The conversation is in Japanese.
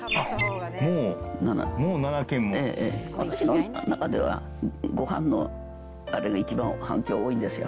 私の中ではごはんのあれが一番反響多いんですよ。